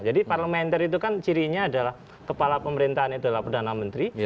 jadi parlementer itu kan cirinya adalah kepala pemerintahan yaitu adalah perdana menteri